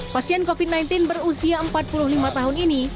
pasien covid sembilan belas berusia empat puluh lima tahun ini